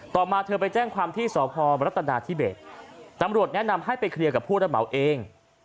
มาเธอไปแจ้งความที่สพรัฐนาธิเบสตำรวจแนะนำให้ไปเคลียร์กับผู้ระเหมาเอง